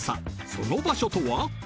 その場所とは？